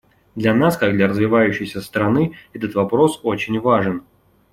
Для нас как для развивающейся страны этот вопрос очень важен.